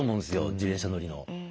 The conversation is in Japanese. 自転車乗りの。